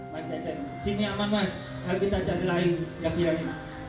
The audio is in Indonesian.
mas teh cek sini aman mas harus kita cari lagi yakin lagi